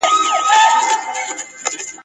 شرنګولي مي د میو ګیلاسونه !.